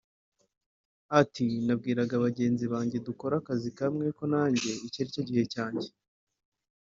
Ati “ Nabwiraga bagenzi banjye dukora akazi kamwe ko nanjye iki aricyo gihe cyanjye